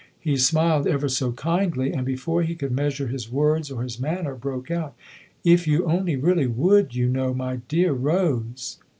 He smiled ever so kindly and, before he could measure his words or his manner, broke out :" If you only really would, you know, my dear Rose